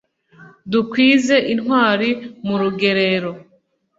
dukwize intwari mu rugerero